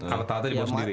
kartu kartu dibawa sendiri